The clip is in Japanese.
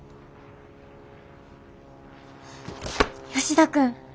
吉田君。